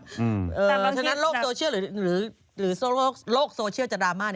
เพราะฉะนั้นโลกโซเชียลหรือโลกโซเชียลจะดราม่า